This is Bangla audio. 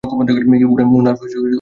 উনার জন্মদিন আজকে।